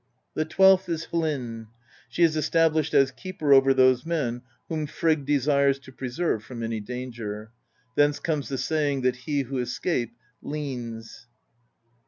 The twelfth is Hlin: she is established as keeper over those men whom Frigg desires to preserve from any danger; thence comes the saying, that he who escapes ^ leans.'